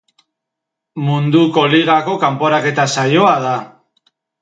Munduko Ligako kanporaketa saioa da.